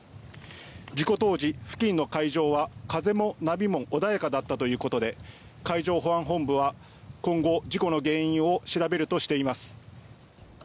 事故当時、付近の海上は風も波も穏やかだったということで海上保安本部は今後、事故の原因を調べるとしています。